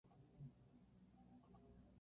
Tuvieron seis hijos, cinco niños y una niña.